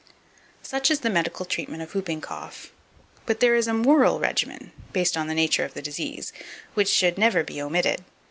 2567. Such is the medical treatment of hooping cough; but there is a moral regimen, based on the nature of the disease, which should never be omitted.